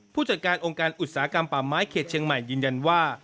ผู้จัดการองค์การอุตสาหกรรมป่าไม้เขตเชียงใหม่ยืนยันว่า